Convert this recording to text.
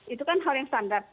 itu kan hal yang standar